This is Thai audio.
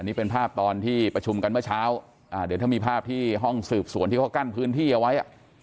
นี่เป็นภาพตอนที่ประชุมกันเมื่อเช้าอ่าเดี๋ยวถ้ามีภาพที่ห้องสืบสวนที่เขากั้นพื้นที่เอาไว้